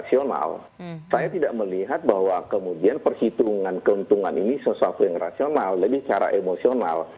saya tidak melihat bahwa kemudian perhitungan keuntungan ini sesuatu yang rasional lebih secara emosional